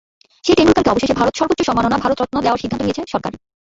সেই টেন্ডুলকারকে অবশেষে ভারতের সর্বোচ্চ সম্মাননা ভারতরত্ন দেওয়ার সিদ্ধান্ত নিয়েছে সরকার।